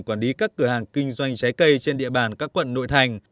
quản lý các cửa hàng kinh doanh trái cây trên địa bàn các quận nội thành